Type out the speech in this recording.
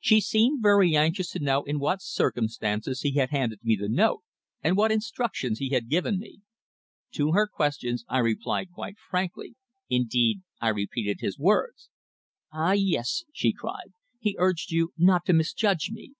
She seemed very anxious to know in what circumstances he had handed me the note, and what instructions he had given me. To her questions I replied quite frankly. Indeed, I repeated his words. "Ah! yes," she cried. "He urged you not to misjudge me.